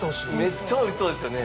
めっちゃおいしそうですよね。